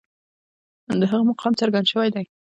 د هغه مقام څرګند شوی دی.